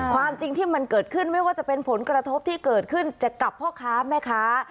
ความจริงที่มันเกิดขึ้นไม่ว่าจะเป็นผลกระทบที่เกิดขึ้นจากพ่อค้าแม่ค้า